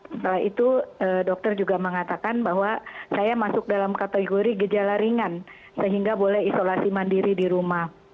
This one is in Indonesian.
setelah itu dokter juga mengatakan bahwa saya masuk dalam kategori gejala ringan sehingga boleh isolasi mandiri di rumah